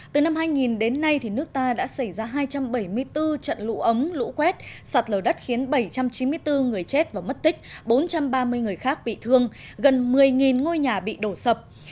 từ năm hai nghìn đến nay nước ta đã xảy ra hai trăm bảy mươi bốn trận lũ ống lũ quét sạt lở đất khiến bảy trăm chín mươi bốn người chết và mất tích bốn trăm ba mươi người khác bị thương gần một mươi ngôi nhà bị đổ sập